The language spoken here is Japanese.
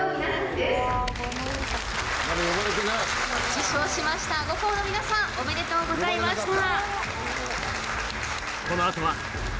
受賞しました５校の皆さんおめでとうございました！